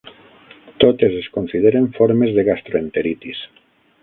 Totes es consideren formes de gastroenteritis.